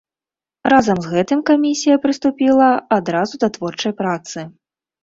Разам з гэтым камісія прыступіла адразу да творчай працы.